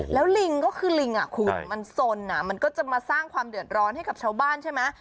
แล้วลิงก็คือลิงอ่ะคุณมันสนมันก็จะมาสร้างความเดือดร้อนให้กับชาวบ้านใช่ไหม